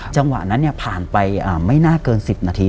จังหวะนั้นผ่านไปไม่น่าเกิน๑๐นาที